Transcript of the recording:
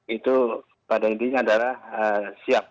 itu pada intinya adalah siap